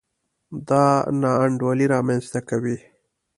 دا نا انډولي رامنځته کوي.